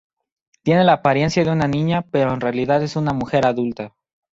Tiene la apariencia de una niña pero en realidad es una mujer adulta.